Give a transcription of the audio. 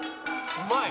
うまい。